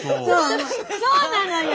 そうなのよ。